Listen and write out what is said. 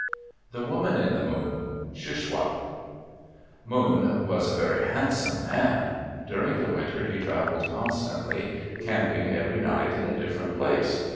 THE WOMAN IN THE MOON Shuswap Moon was a very handsome man. During the winter he traveled constantly, camping every night in a different place.